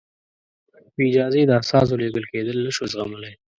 بې اجازې د استازو لېږل کېدل نه شو زغملای.